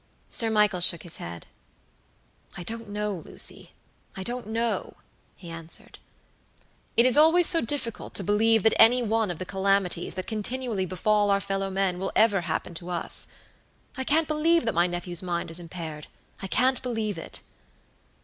Sir Michael shook his head. "I don't know, LucyI don't know," he answered. "It is always so difficult to believe that any one of the calamities that continually befall our fellow men will ever happen to us. I can't believe that my nephew's mind is impairedI can't believe it.